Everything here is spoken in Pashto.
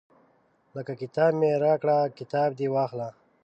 لکه کتاب مې راکړه کتاب دې واخله.